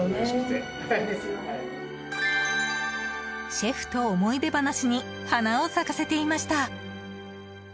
シェフと思い出話に華を咲かせていました。